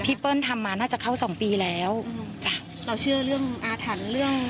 เปิ้ลทำมาน่าจะเข้าสองปีแล้วจ้ะเราเชื่อเรื่องอาถรรพ์เรื่อง